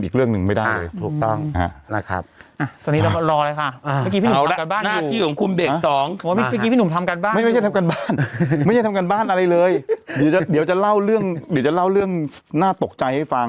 เดี๋ยวจะเล่าเรื่องน่าตกใจให้ฟัง